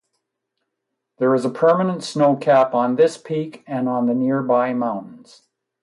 There is a permanent snowcap on this peak and on the nearby mountains.